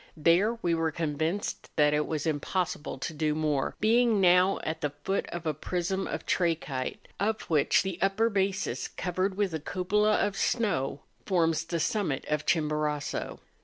There, we were convinced that it was impossible to do more, being now at the foot of a prism of trachyte, of which the upper basis, covered with a cupola of snow, forms the summit of Chimborazo.